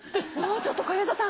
ちょっと小遊三さん